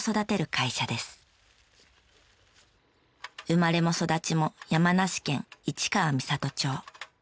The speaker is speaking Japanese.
生まれも育ちも山梨県市川三郷町。